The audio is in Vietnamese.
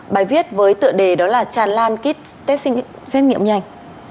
bài viết với tựa đề đó là tràn lan kit test xét nghiệm nhanh